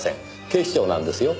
警視庁なんですよ。